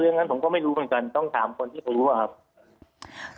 เรือนั้นผมก็ไม่รู้กันต้องขอคุณที่ฟังดูก็ไม่รู้นะครับ